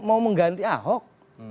mau mengganti ahok